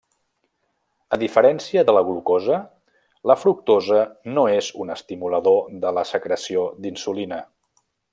A diferència de la glucosa, la fructosa no és un estimulador de la secreció d'insulina.